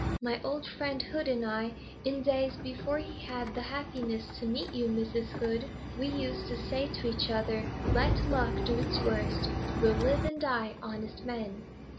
My old friend Hood and I, in days even before he had the happiness to meet you, Mrs. Hood, we used to say to each other Let luck do its worst, we'll live and die honest men.